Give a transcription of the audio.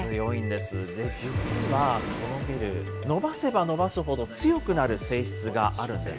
で、実は、このゲル、伸ばせば伸ばすほど強くなる性質があるんです。